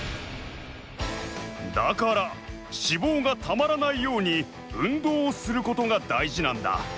だから脂肪がたまらないように運動をすることがだいじなんだ。